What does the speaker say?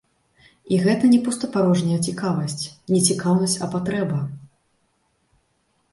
І гэта не пустапарожняя цікавасць, не цікаўнасць, а патрэба.